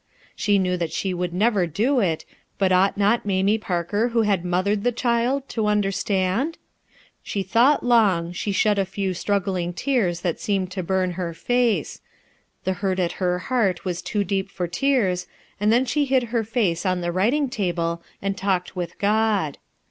She knew that she would never do it, but ought not Mamie Parker who had mothered the child, to understand ? She thought long, she shed a few struggling tears that seemed to burn her face; the hurt at her heart was too deep for tears, and then she hid her face on the writing table and talked with God.